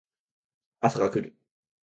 朝が来る